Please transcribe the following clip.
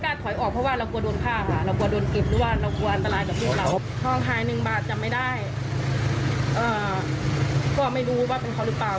ถ้าอยากได้ขึ้นก็คือต้องเอาเงินไปทาย